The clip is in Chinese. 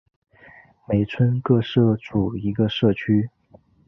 每村各设组一个社区。